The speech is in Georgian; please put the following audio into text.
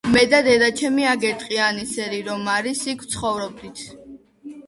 მე და დედაჩემი, აგერ ტყიანი სერი რომ არის იქ ვცხოვრობდით.